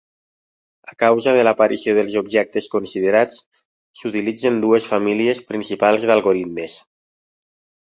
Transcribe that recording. A causa de l'aparició dels objectes considerats, s'utilitzen dues famílies principals d'algoritmes.